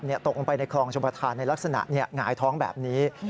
ตกลงไปในคลองชมประธานในลักษณะหงายท้องแบบนี้